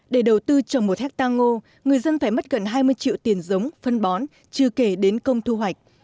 để đầu tư trồng một hectare ngô người dân phải mất gần hai mươi triệu tiền giống phân bón chưa kể đến công thu hoạch